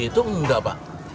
itu enggak pak